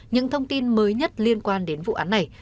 những thông tin mới nhất liên quan đến vụ án này